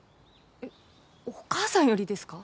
えっお母さんよりですか？